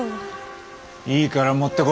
いいから持ってこい！